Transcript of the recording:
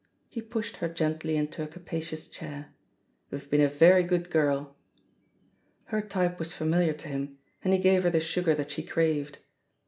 He pushed her gently into a capacious chair. " YouVe been a very good girl." Her type was familiar to him, and he gave her the sugar that she craved.